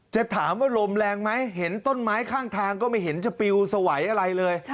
จะถามว่าลมแรงไหมเห็นต้นไม้ข้างทางก็ไม่เห็นจะปิวสวัยอะไรเลย